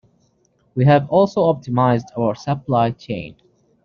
We have also optimised our supply chain.